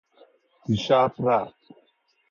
دیشب رفت.